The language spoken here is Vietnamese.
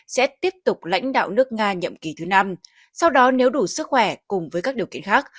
sẽ tiếp tục lãnh đạo nước nga nhậm kỳ thứ năm sau đó nếu đủ sức khỏe cùng với các điều kiện khác